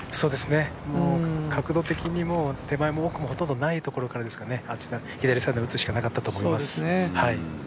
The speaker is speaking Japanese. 角度的にも手前も奥もほとんどないところからですので左サイドに打つしかなかったと思います。